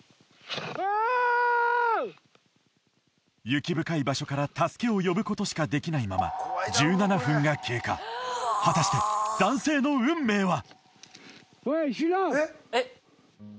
雪深い場所から助けを呼ぶことしかできないまま１７分が経過果たして男性の運命は？